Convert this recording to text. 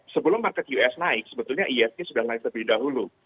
sebelum market us naik sebetulnya isg sudah naik terlebih dahulu